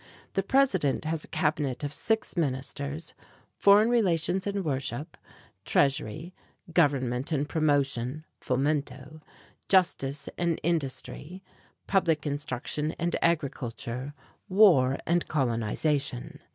The president has a cabinet of six ministers: Foreign Relations and Worship, Treasury, Government and Promotion (Fomento), Justice and Industry, Public Instruction and Agriculture, War and Colonization.